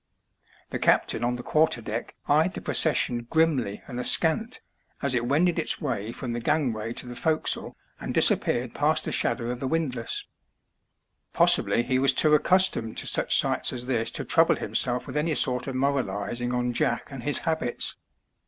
The captain on the quarter deck eyed the procession grimly and askant, as it wended its way from the gang way to the forecastle and disappeared past the shadow of the windlass. Possibly he was too accustomed to such sights as this to trouble himself with any sort of moralizing on Jack and his habits.